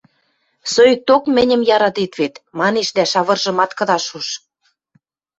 Соикток мӹньӹм яратет вет! – манеш дӓ шавыржымат кыдаш шуш.